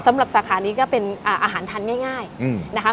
สำหรับสาขานี้ก็เป็นอาหารทานง่ายนะคะ